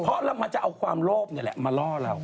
เพราะมันจะเอาความโลภนี่แหละมาล่อเรา